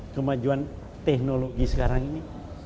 kemajuan teknologi sekarang ini